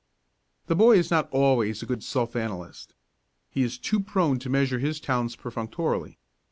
The boy is not always a good self analyst. He is too prone to measure his talents perfunctorily.